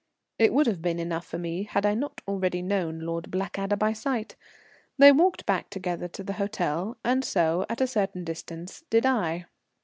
It would have been enough for me had I not already known Lord Blackadder by sight. They walked back together to the hotel, and so, at a certain distance, did I.